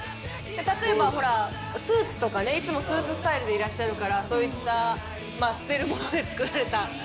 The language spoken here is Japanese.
例えばほらスーツとかねいつもスーツスタイルでいらっしゃるからそういった捨てるもので作られたオーダースーツとか。